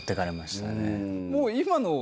もう今のを。